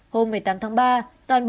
hôm một mươi tám tháng ba toàn bộ